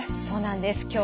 そうなんです。